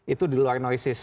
itu di luar noisis